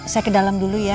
saya ke dalam dulu ya